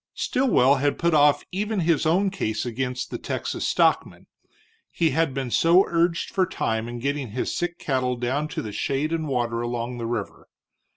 Stilwell had put off even his own case against the Texas stockman, he had been so urged for time in getting his sick cattle down to the shade and water along the river.